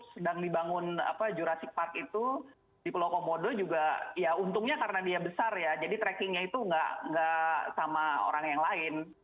jadi kalau kita bangun jurassic park itu di pulau komodo juga ya untungnya karena dia besar ya jadi trackingnya itu nggak sama orang yang lain